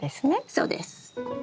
そうです。